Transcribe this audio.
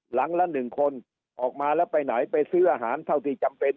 หลังละ๑คนออกมาแล้วไปไหนไปซื้ออาหารเท่าที่จำเป็น